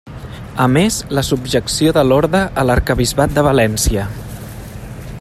A més, la subjecció de l'orde a l'arquebisbat de València.